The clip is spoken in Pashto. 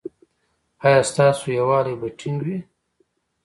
ایا ستاسو یووالي به ټینګ وي؟